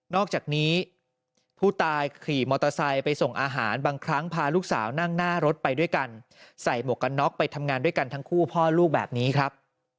อกจากนี้ผู้ตายขี่มอเตอร์ไซค์ไปส่งอาหารบางครั้งพาลูกสาวนั่งหน้ารถไปด้วยกันใส่หมวกกันน็อกไปทำงานด้วยกันทั้งคู่พ่อลูกแบบนี้ครับ